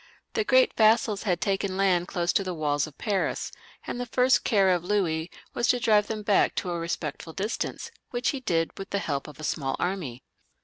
The great vassals had taken land close to the walls of Pans, and the first care of Louis was to drive them back to a respectful distance, which he did with the help of a small army.